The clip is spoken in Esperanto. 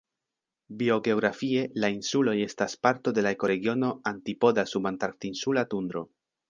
Biogeografie, la insuloj estas parto de la ekoregiono "antipoda-subantarktinsula tundro".